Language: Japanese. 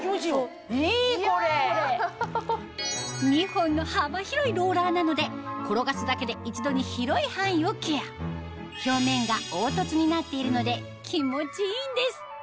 ２本の幅広いローラーなので転がすだけで一度に広い範囲をケア表面が凹凸になっているので気持ちいいんです！